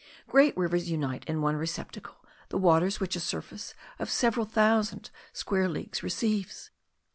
Great rivers unite in one receptacle the waters which a surface of several thousand square leagues receives.